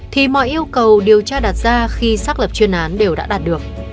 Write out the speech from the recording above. thì mọi yêu cầu điều tra đặt ra khi xác lập chuyên án đều đã đạt được